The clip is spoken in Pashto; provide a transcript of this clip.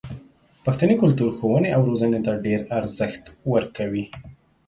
پښتني کلتور ښوونې او روزنې ته ډېر ارزښت ورکوي.